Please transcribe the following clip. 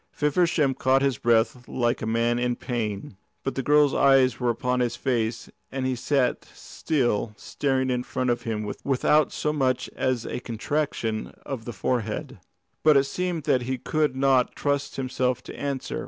Feversham caught his breath like a man in pain. But the girl's eyes were upon his face, and he sat still, staring in front of him without so much as a contraction of the forehead. But it seemed that he could not trust himself to answer.